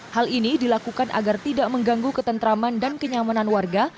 hal ini dilakukan agar tidak mengganggu ketentraman dan kenyamanan warga